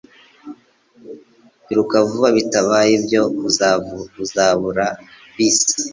Iruka vuba bitabaye ibyo uzabura bisi